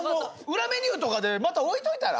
裏メニューとかでまた置いといたら？